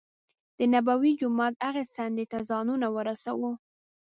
دنبوي جومات هغې څنډې ته ځانونه ورسو.